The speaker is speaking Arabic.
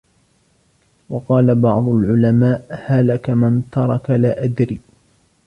وَقَالَ بَعْضُ الْعُلَمَاءِ هَلَكَ مَنْ تَرَكَ لَا أَدْرِي